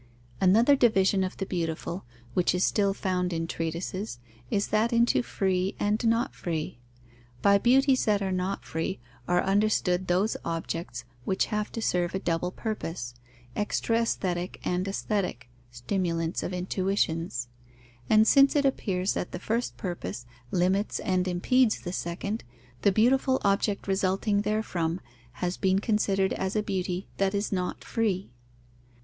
_ Another division of the beautiful, which is still found in treatises, is that into free and not free. By beauties that are not free, are understood those objects which have to serve a double purpose, extra aesthetic and aesthetic (stimulants of intuitions); and since it appears that the first purpose limits and impedes the second, the beautiful object resulting therefrom has been considered as a beauty that is not free.